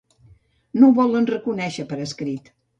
No ho volen reconèixer per escrit.